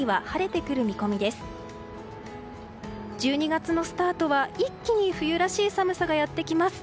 １２月のスタートは一気に冬らしい寒さがやってきます。